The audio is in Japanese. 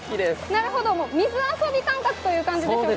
なるほど、水遊び感覚ということでしょうか。